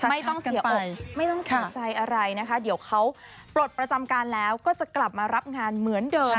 ไม่ต้องเสียอกไม่ต้องสนใจอะไรนะคะเดี๋ยวเขาปลดประจำการแล้วก็จะกลับมารับงานเหมือนเดิม